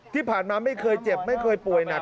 ที่ผ่านมาไม่เคยเจ็บไม่เคยป่วยหนัก